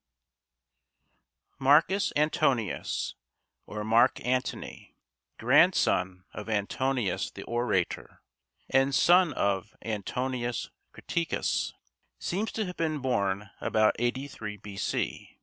] Marcus Antonius, or Marc Antony, grandson of Antonius the orator, and son of Antonius Creticus, seems to have been born about 83 B.